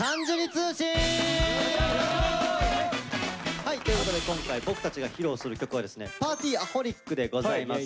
はいということで今回僕たちが披露する曲はですね「Ｐａｒｔｙ−Ａｈｏｌｉｃ」でございます。